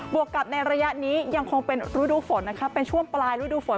วกกับในระยะนี้ยังคงเป็นฤดูฝนนะคะเป็นช่วงปลายฤดูฝน